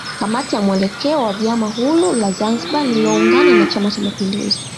Kamati ya mwelekeo wa vyama huru la Zanzibari lililoungana na chama cha mapinduzi